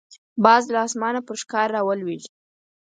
باز له اسمانه پر ښکار راولويږي